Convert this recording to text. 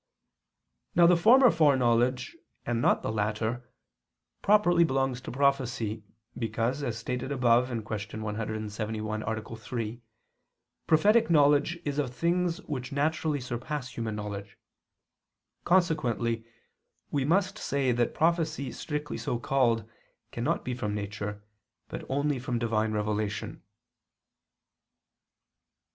Now the former foreknowledge, and not the latter, properly belongs to prophecy, because, as stated above (Q. 171, A. 3), prophetic knowledge is of things which naturally surpass human knowledge. Consequently we must say that prophecy strictly so called cannot be from nature, but only from Divine revelation.